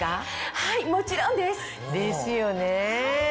はいもちろんです！ですよね。